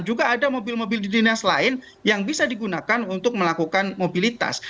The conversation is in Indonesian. juga ada mobil mobil di dinas lain yang bisa digunakan untuk melakukan mobilitas